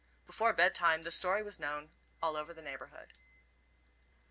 Before bedtime the story was known all over the neighborhood.